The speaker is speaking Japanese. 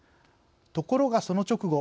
ところが、その直後